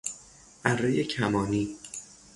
ارهی کمانی